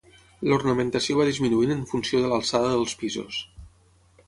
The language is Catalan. L'ornamentació va disminuint en funció de l'alçada dels pisos.